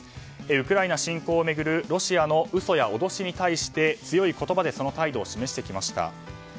ウクライナ侵攻を巡るロシアの嘘や脅しに対して強い言葉でその態度を示してきました。